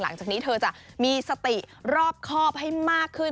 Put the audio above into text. หลังจากนี้เธอจะมีสติรอบครอบให้มากขึ้น